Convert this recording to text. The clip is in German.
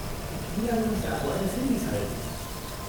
Wie lange muss der Akku eines Handys halten?